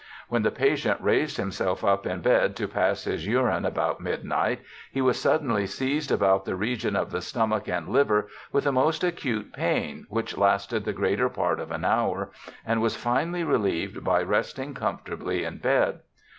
When the patient raised himself up in bed to pass his urine about midnight he was suddenly seized about the region of the stomach and liver with a most acute pain which lasted the greater part of an hour and was finally relieved by resting comfortably in bed.